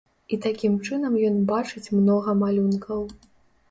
І такім чынам ён бачыць многа малюнкаў.